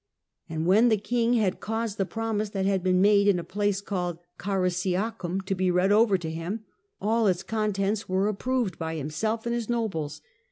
And when the king had caused the promise that had been made in a place called Carisiacum to be read over to him, all its contents were approved by himself and his nobles.